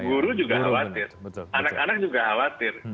guru juga khawatir anak anak juga khawatir